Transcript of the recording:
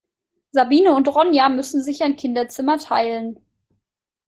Sabine und Ronja müssen sich ein Kinderzimmer teilen.